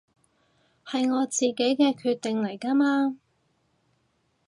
係我自己嘅決定嚟㗎嘛